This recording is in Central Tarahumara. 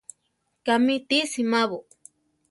Kámi ti simabo?